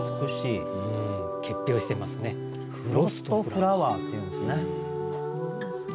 フロストフラワーっていうんですね。